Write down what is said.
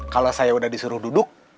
kalau saya udah disuruh duduk